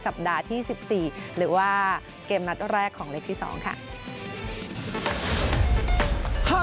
สัปดาห์ที่๑๔หรือว่าเกมนัดแรกของเล็กที่๒ค่ะ